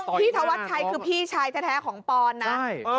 ธวัชชัยคือพี่ชายแท้ของปอนนะ